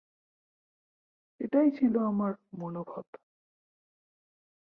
এটাই ছিল আমার মনোভাব।